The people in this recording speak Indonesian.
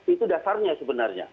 itu dasarnya sebenarnya